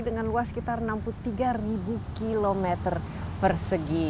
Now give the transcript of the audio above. dengan luas sekitar enam puluh tiga km persegi